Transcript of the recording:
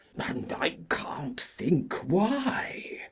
And I can't think why!